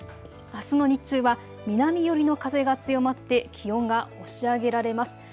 あすの日中は南寄りの風が強まって気温が押し上げられます。